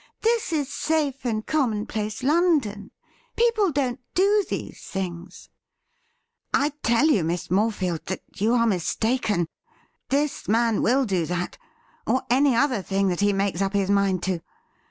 This is safe and commonplace London. People don't do these things.' ' I tell you. Miss Morefield, that you are mistaken. This man will do that, or any other thing that he makes up his mind to.